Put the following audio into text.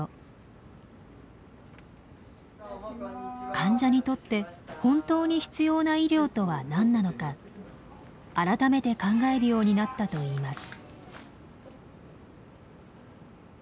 患者にとって本当に必要な医療とは何なのか改めて考えるようになったといいます。